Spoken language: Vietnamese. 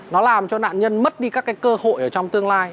nó làm cho nạn nhân mất đi các cái cơ hội ở trong tương lai